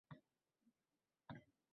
Komandir